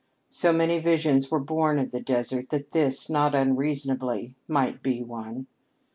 So many visions were born of the desert that this, not unreasonably, might be one.